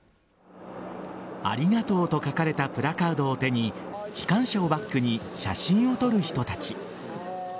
ありがとうと書かれたプラカードを手に機関車をバックに写真を撮る人たち。